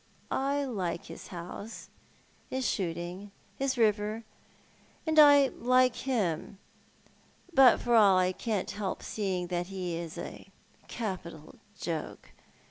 I like his house, his shooting, and liis river, and I like him ; but for all that I can't help seeing that he is a capital joke.